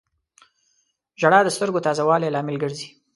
• ژړا د سترګو تازه والي لامل ګرځي.